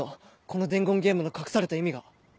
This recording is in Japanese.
この伝言ゲームの隠された意味が。